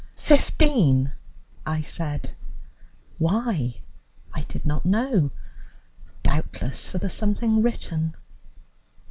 "Fifteen," I said. Why? I did not know. Doubtless for the something written.